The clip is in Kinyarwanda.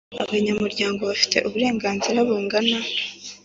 abanyamuryango bafite Uburenganzira bungana